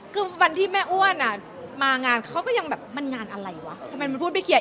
คือวันนี้แม่อ้วนมางานเขามันยังแบบมันงานอะไรยังไม่พูดไปแคร์